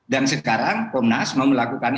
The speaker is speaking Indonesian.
dan sekarang komnas mau melakukan